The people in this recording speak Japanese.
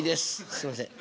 すみません。